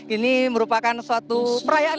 ini merupakan suatu perayaan